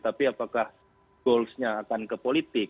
tapi apakah goalsnya akan ke politik